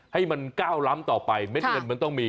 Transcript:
ให้มันก้าวล้ำต่อไปเม็ดเงินมันต้องมี